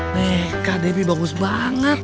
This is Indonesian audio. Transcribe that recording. neka debbie bagus banget